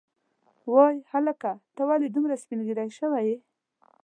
وای هلکه ته ولې دومره سپینږیری شوی یې.